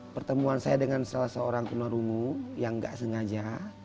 pertemuan saya dengan salah seorang tunarungu yang nggak sengaja